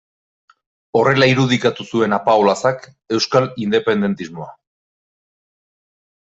Horrela irudikatu zuen Apaolazak euskal independentismoa.